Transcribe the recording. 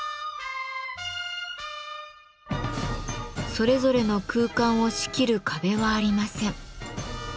それぞれの空間を仕切る壁はありません。